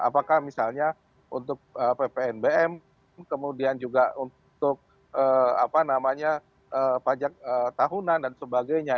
apakah misalnya untuk ppnbm kemudian juga untuk pajak tahunan dan sebagainya